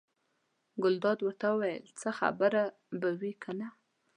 ګلداد ورته وویل: څه خبره به وي کنه.